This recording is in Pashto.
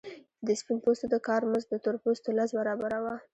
د سپین پوستو د کار مزد د تور پوستو لس برابره وو